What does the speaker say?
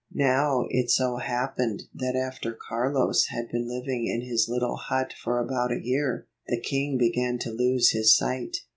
Now it so happened that after Carlos had been living in his little hut for about a year, the king began to lose his sight.